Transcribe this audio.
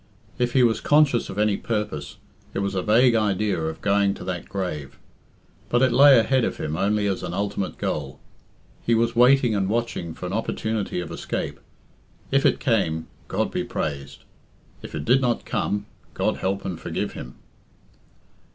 If he was conscious of any purpose, it was a vague idea of going to that grave. But it lay ahead of him only as an ultimate goal. He was waiting and watching for an opportunity of escape. If it came, God be praised! If it did not come, God help and forgive him!